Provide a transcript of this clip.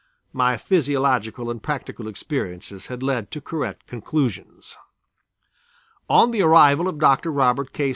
My physiological and practical experiences had led to correct conclusions. On the arrival of Dr. Robert K.